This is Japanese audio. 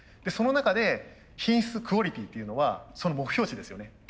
その中で品質クオリティーっていうのはその目標値ですよね